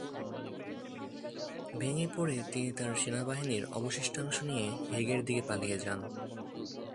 ভেঙে পড়ে তিনি তার সেনাবাহিনীর অবশিষ্টাংশ নিয়ে হেগের দিকে পালিয়ে যান।